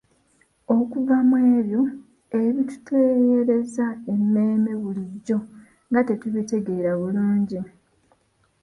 Okuva mw'ebyo ebitukeeyereza emmeeme bulijjo nga tetubitegeera bulungi.